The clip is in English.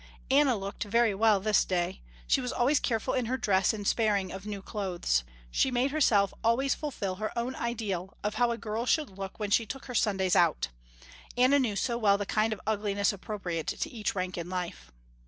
Anna looked very well this day. She was always careful in her dress and sparing of new clothes. She made herself always fulfill her own ideal of how a girl should look when she took her Sundays out. Anna knew so well the kind of ugliness appropriate to each rank in life.